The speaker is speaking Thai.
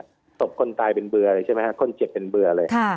ศพคนตายเป็นเบื่อเลยใช่ไหมฮะคนเจ็บเป็นเบื่อเลย